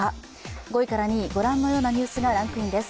５位から２位、ご覧のようなニュースがランクインです。